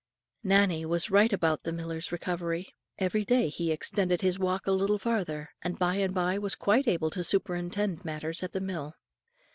Nannie was right about the miller's recovery. Every day he extended his walk a little farther, and by and by was quite able to superintend matters at the mill.